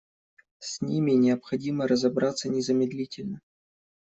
С ними необходимо разобраться незамедлительно.